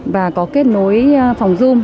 và có kết nối phòng zoom